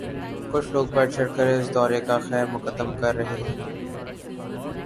کچھ لوگ بڑھ چڑھ کر اس دورے کا خیر مقدم کر رہے ہیں۔